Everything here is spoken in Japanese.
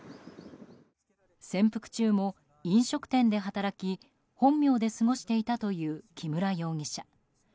潜伏中も飲食店で働き本名で過ごしていたという木村容疑者。